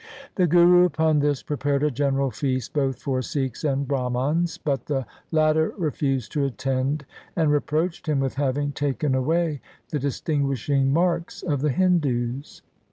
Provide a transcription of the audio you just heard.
The Guru upon this prepared a general feast both for Sikhs and Brahmans, but the latter refused to attend, and reproached him with having taken away the distinguishing marks of the Hindus.